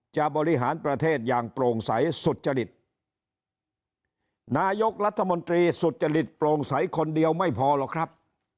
บริหารประเทศอย่างโปร่งใสสุจริตนายกรัฐมนตรีสุจริตโปร่งใสคนเดียวไม่พอหรอกครับ